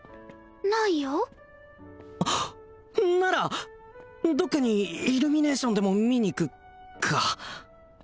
ないよならどっかにイルミネーションでも見に行くか？